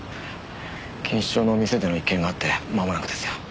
錦糸町の店での一件があってまもなくですよ。